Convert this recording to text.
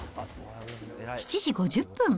７時５０分。